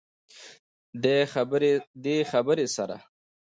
دې خبرې سره